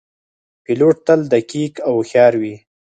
پیلوټ تل دقیق او هوښیار وي.